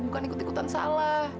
bukan ikut ikutan salah